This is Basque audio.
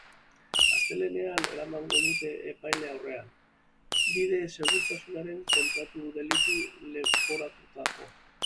Astelehenean eramango dute epaile aurrera, bide-segurtasunaren kontrako delitua leporatuta.